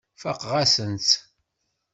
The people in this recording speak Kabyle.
Fakeɣ-asen-tt.